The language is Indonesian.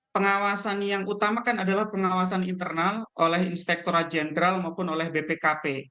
pengawasan yang utama kan adalah pengawasan internal oleh inspektora jenderal maupun oleh bpkp